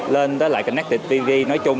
lên tới lại connected tv nói chung